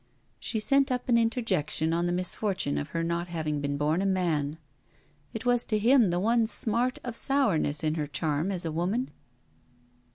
She sent up an interjection on the misfortune of her not having been born a man. It was to him the one smart of sourness in her charm as a woman.